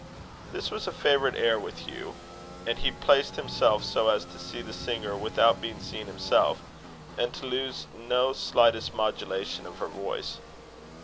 This was a favourite air with Hugh; and he placed himself so as to see the singer without being seen himself, and to lose no slightest modulation of her voice.